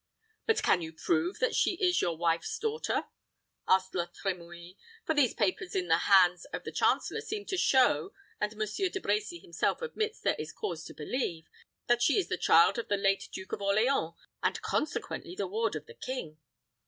"But can you prove that she is your wife's daughter?" asked La Trimouille; "for these papers in the hands of the chancellor seem to show, and Monsieur De Brecy himself admits there is cause to believe, that she is the child of the late Duke of Orleans, and consequently a ward of the king."